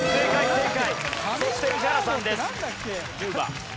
正解！